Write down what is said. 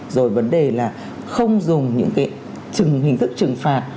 rồi vấn đề là không dùng những cái trừng hình thức trừng phạt